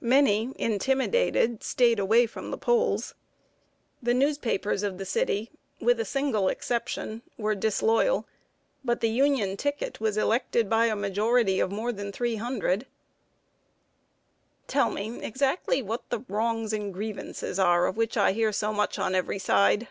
Many, intimidated, staid away from the polls. The newspapers of the city, with a single exception, were disloyal, but the Union ticket was elected by a majority of more than three hundred. [Sidenote: SECESSION AIMS AND GRIEVANCES.] "Tell me exactly what the 'wrongs' and 'grievances' are, of which I hear so much on every side."